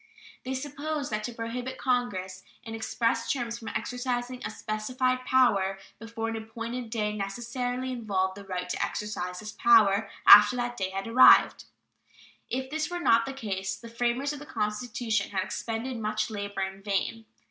They supposed that to prohibit Congress in express terms from exercising a specified power before an appointed day necessarily involved the right to exercise this power after that day had arrived. If this were not the case, the framers of the Constitution had expended much labor in vain.